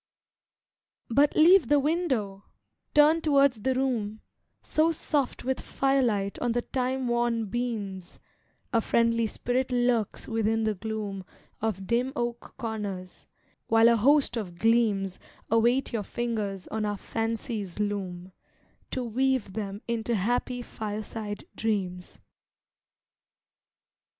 But leave the window, turn towards the room, So soft with firelight on the time worn beams A friendly spirit lurks within the gloom Of dim oak corners, while a host of gleams Await your fingers on our fancy's loom, To weave them into happy fireside dreams.